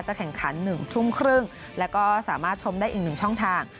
แข่งขัน๑ทุ่มครึ่งแล้วก็สามารถชมได้อีก๑ช่องทาง